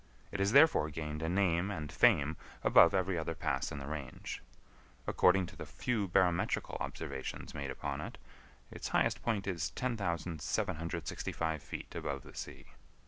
It has therefore gained a name and fame above every other pass in the range. According to the few barometrical observations made upon it, its highest point is 10,765 feet above the sea.